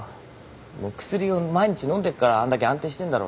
もう薬を毎日飲んでっからあんだけ安定してんだろ。